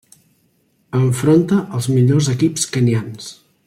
Enfronta els millors equips kenyans.